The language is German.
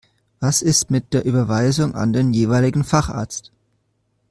Was ist mit der Überweisung an den jeweiligen Facharzt?